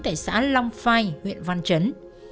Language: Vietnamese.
tại xã long phai huyện văn chấn